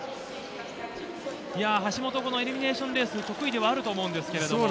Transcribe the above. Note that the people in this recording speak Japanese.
橋本、エリミネイションレース、得意ではあると思うんですけれど。